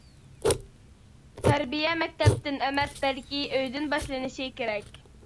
تەربىيە مەكتەپتىن ئەمەس بەلكى ئۆيدىن باشلىنىشى كېرەك.